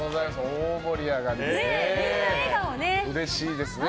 大盛り上がりでね。